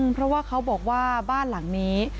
เพราะว่าเขาบอกว่าบ้านหลังนี้